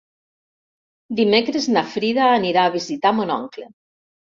Dimecres na Frida anirà a visitar mon oncle.